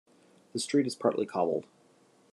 The street is partly cobbled.